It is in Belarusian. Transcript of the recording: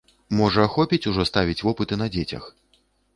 Можа, хопіць ужо ставіць вопыты на дзецях?